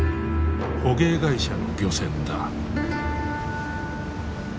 捕鯨会社の漁船だ。